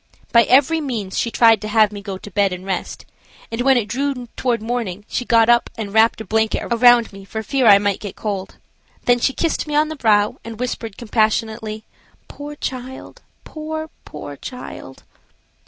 By every means she tried to have me go to bed and rest, and when it drew toward morning she got up and wrapped a blanket around me for fear I might get cold; then she kissed me on the brow and whispered, compassionately: "Poor child, poor child!"